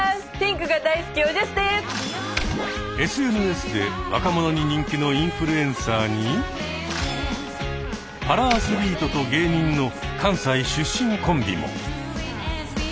ＳＮＳで若者に人気のインフルエンサーにパラアスリートと芸人の関西出身コンビも。